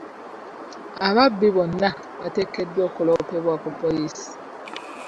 Ababbi bonna bateekeddwa okuloopebwa ku poliisi.